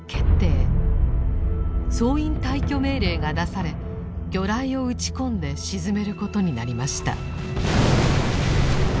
総員退去命令が出され魚雷を撃ち込んで沈めることになりました。